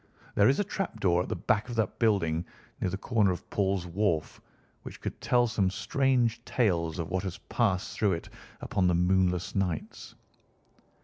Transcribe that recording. There is a trap door at the back of that building, near the corner of Paul's Wharf, which could tell some strange tales of what has passed through it upon the moonless nights."